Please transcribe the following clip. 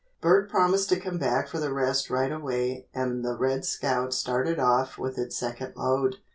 Bert promised to come back for the rest right away and the "Red Scout" started off with its second load.